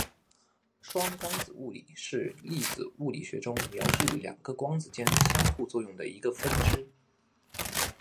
双光子物理是粒子物理学中描述两个光子间相互作用的一个分支。